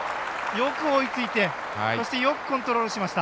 よく追いついてよくコントロールしました。